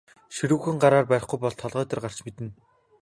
Ширүүхэн гараар барихгүй бол толгой дээр гарч мэднэ.